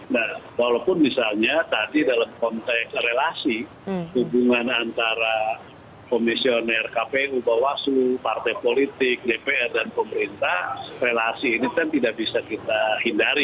nah walaupun misalnya tadi dalam konteks relasi hubungan antara komisioner kpu bawaslu partai politik dpr dan pemerintah relasi ini kan tidak bisa kita hindari